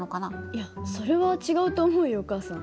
いやそれは違うと思うよお母さん。